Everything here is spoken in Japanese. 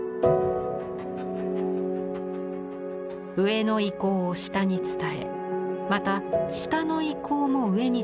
上の意向を下に伝えまた下の意向も上に届く。